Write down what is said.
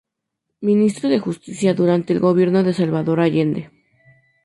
Ministro de Justicia durante el gobierno de Salvador Allende.